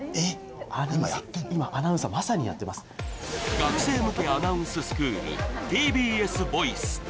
学生向けアナウンススクール、ＴＢＳＶｏｉｃｅ。